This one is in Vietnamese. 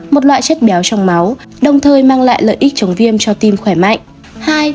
một loại chất béo trong máu đồng thời mang lại lợi ích chống viêm cho tim khỏe mạnh